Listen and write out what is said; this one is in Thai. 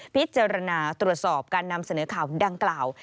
พิจารณาตรวจสอบการนำเสนอข่าวดังกล่าว